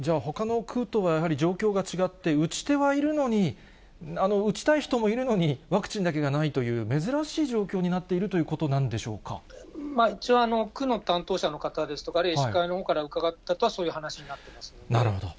やはりやはり状況が違って、打ち手はいるのに、打ちたい人もいるのに、ワクチンだけがないという珍しい状況になっているということなん一応、区の担当者の方ですとか、あるいは医師会のほうから伺ったことはそういう話になっていなるほど。